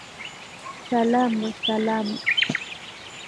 Salama Salama